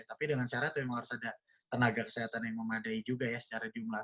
tapi dengan syarat memang harus ada tenaga kesehatan yang memadai juga ya secara jumlah